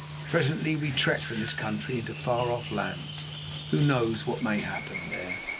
Presently we trek from this country into far off lands. Who knows what may happen there?"